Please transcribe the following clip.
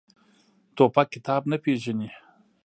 توپک کتاب نه پېژني.